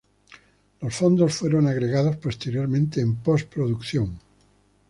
Los fondos fueron agregados posteriormente en post-producción.